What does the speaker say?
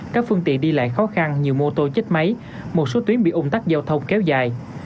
các phương tiện đi lại khó khăn nhiều mô tô chết máy một số tuyến bị ủng tắc giao thông kéo dài